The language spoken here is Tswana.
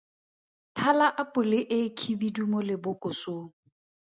Thala apole e khibidu mo lebokosong.